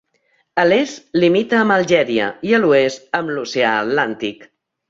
A l'est limita amb Algèria i a l'oest amb l'oceà Atlàntic.